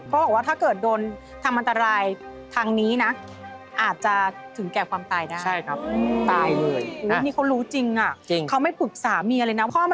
เพราะฝ่าว่าถ้าเกิดโดนทำอันตรายทางนี้นะ